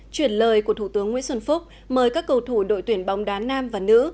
chuyển lời của thủ tướng nguyễn xuân phúc mời các cầu thủ đội tuyển bóng đá nam và nữ